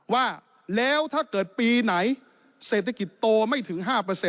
ว่าแล้วถ้าเกิดปีไหนเศรษฐกิจโตไม่ถึง๕